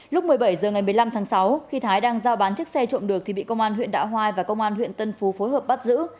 lúc một mươi bảy h ngày một mươi năm tháng sáu khi thái đang giao bán chiếc xe trộm được thì bị công an huyện đạo hoai và công an huyện tân phú phối hợp bắt giữ